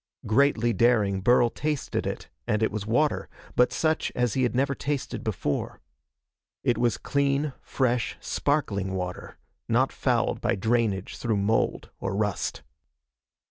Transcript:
Greatly daring, Burl tasted it and it was water, but such as he had never tasted before. It was clean, fresh, sparkling water, not fouled by drainage through mould or rust.